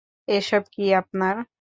এসব কি আপনার?